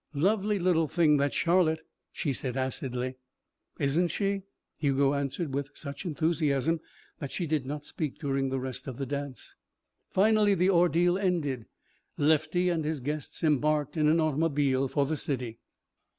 "Lovely little thing, that Charlotte," she said acidly. "Isn't she!" Hugo answered with such enthusiasm that she did not speak during the rest of the dance. Finally the ordeal ended. Lefty and his guests embarked in an automobile for the city.